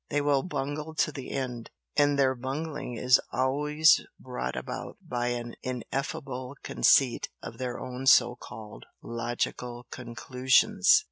They will 'bungle' to the end! and their bungling is always brought about by an ineffable conceit of their own so called 'logical' conclusions!